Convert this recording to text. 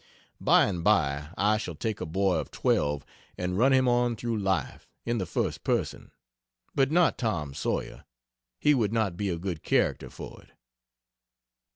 By and by I shall take a boy of twelve and run him on through life (in the first person) but not Tom Sawyer he would not be a good character for it.